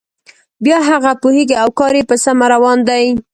بیا هغه پوهیږي او کار یې په سمه روان دی.